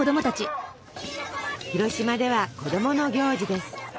広島では子どもの行事です。